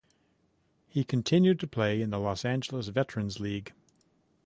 He continued to play in the Los Angeles Veterans League.